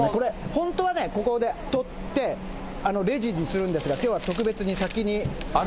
本当はね、ここで取って、レジにするんですが、きょうは特別に先にあとで支払いますので。